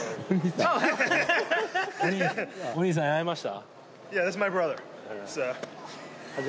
お兄さんに会えました？